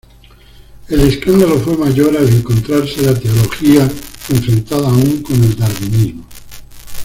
El escándalo fue mayor al encontrarse la teología enfrentada aún con el darwinismo.